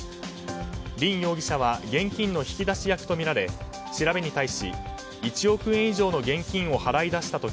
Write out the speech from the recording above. リン容疑者は現金の引き出し役とみられ調べに対し、１億円以上の現金を払い出したと